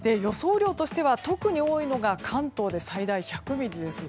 雨量としては特に多いのが関東でおよそ１００ミリです。